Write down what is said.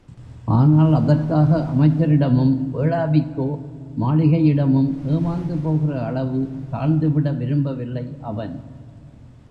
ஆனால் அதற்காக அமைச்சரிடமும் வேளாவிக்கோ மாளிகையிடமும் ஏமாந்துபோகிற அளவு தாழ்ந்துவிட விரும்பவில்லை அவன்.